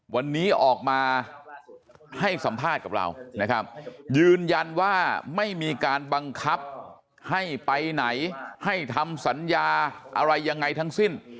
วันนี้ออกมาให้สัมภาษณ์กับเรานะครับยืนยันว่าไม่มีการบังคับให้ไปไหนให้ทำสัญญาอะไรยังไงทั้งสิ้น